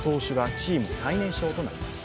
チーム最年少となります。